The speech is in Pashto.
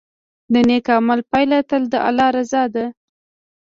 د نیک عمل پایله تل د الله رضا ده.